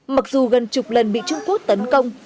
mặc dù gần chục lần bị trung quốc tấn công